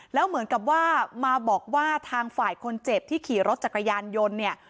แล้วเหมือนกับว่ามาบอกว่าทางฝ่ายคนเจ็บที่ขี่รถจักรยานยนต์เนี่ย